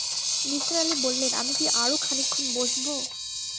নিসার আলি বললেন, আমি কি আরো খানিকক্ষণ বসব?